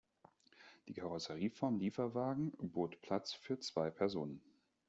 Die Karosserieform Lieferwagen bot Platz für zwei Personen.